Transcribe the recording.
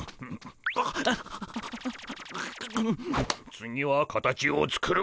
次は形を作る。